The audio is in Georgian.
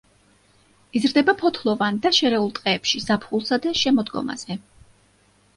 იზრდება ფოთლოვან და შერეულ ტყეებში ზაფხულსა და შემოდგომაზე.